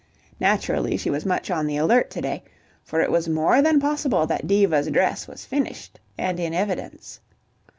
Naturally she was much on the alert to day, for it was more than possible that Diva's dress was finished and in evidence.